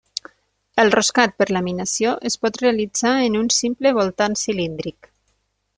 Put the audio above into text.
El roscat per laminació es pot realitzar en un simple voltant cilíndric.